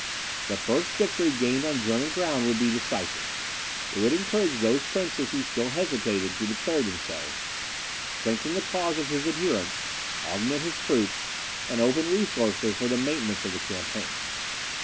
The first victory gained on German ground would be decisive. It would encourage those princes who still hesitated to declare themselves, strengthen the cause of his adherents, augment his troops, and open resources for the maintenance of the campaign.